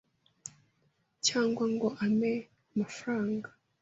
cyangwa ngo ampe ku mafaranga.